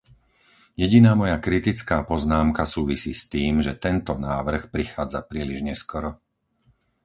Jediná moja kritická poznámka súvisí s tým, že tento návrh prichádza príliš neskoro.